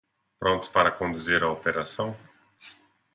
Prontas para conduzir a operação!